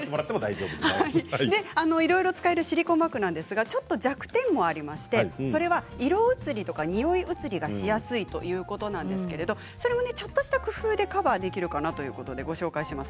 いろいろ使えるシリコンバッグですがちょっと弱点がありまして色移りとかにおい移りがしやすいということなんですけれどもそれもちょっとした工夫でカバーできるかなということでご紹介します。